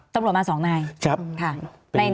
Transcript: ก็อาธาราจรุงภรรัชอยู่ด้วยเหรอจ๊ะอฟฟิศค่ะ